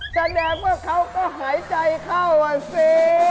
แสดงว่าเขาก็หายใจเข้าอ่ะสิ